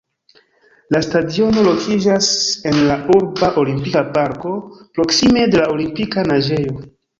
La stadiono lokiĝas en la urba Olimpika Parko, proksime de la Olimpika Naĝejo.